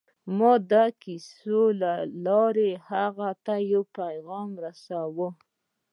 ما د کیسو له لارې هغه ته یو پیغام رساوه